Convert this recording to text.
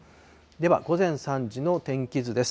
では、午前３時の天気図です。